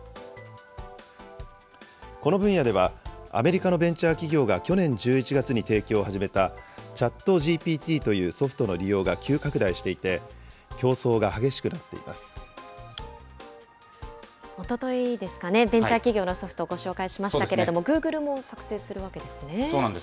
この分野では、アメリカのベンチャー企業が去年１１月に提供を始めた、チャットＧＰＴというソフトの利用が急拡大していて、競争おとといですかね、ベンチャー企業のソフト、ご紹介しましたけれども、そうなんです。